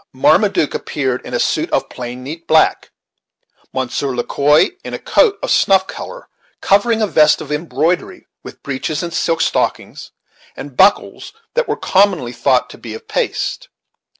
Marmaduke appeared in a suit of plain, neat black; Monsieur Le Quoi in a coat of snuff color, covering a vest of embroidery, with breeches, and silk stockings, and buckles that were commonly thought to be of paste.